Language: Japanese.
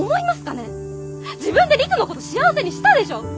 自分で陸のこと幸せにしたでしょう？